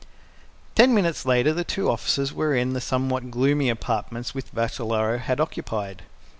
Ten minutes later the two officers were in the somewhat gloomy apartments which Vassalaro had occupied.